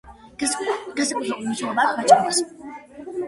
განსაკუთრებული მნიშვნელობა აქვს ვაჭრობას.